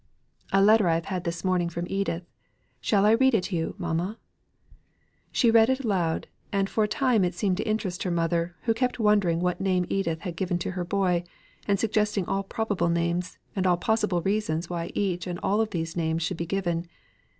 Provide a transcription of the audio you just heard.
"A letter I have had this morning from Edith. Shall I read it to you, mamma?" She read it aloud, and for a time it seemed to interest her mother, who kept wondering what name Edith had given to her boy, and suggesting all probable names, and all possible reasons why each and all of these names should be given.